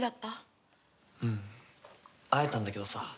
会えたんだけどさ。